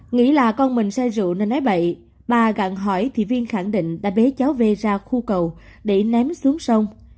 nghĩ là con mình say rượu nên nói bậy bà gặn hỏi thì viên khẳng định đã bế cháu về ra khu cầu để ném xuống sông